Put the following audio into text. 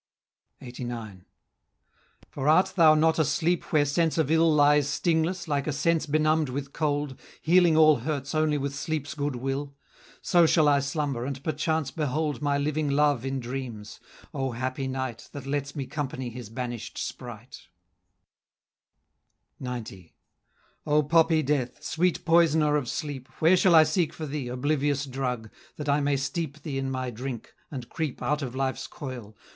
LXXXIX. "For art thou not a sleep where sense of ill Lies stingless, like a sense benumb'd with cold, Healing all hurts only with sleep's good will? So shall I slumber, and perchance behold My living love in dreams, O happy night, That lets me company his banish'd spright!" XC. "O poppy Death! sweet poisoner of sleep; Where shall I seek for thee, oblivious drug, That I may steep thee in my drink, and creep Out of life's coil?